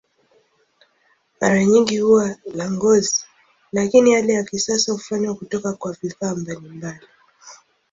Mara nyingi huwa la ngozi, lakini yale ya kisasa hufanywa kutoka kwa vifaa mbalimbali.